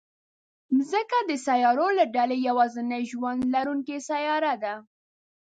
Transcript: مځکه د سیارو له ډلې یوازینۍ ژوند لرونکې سیاره ده.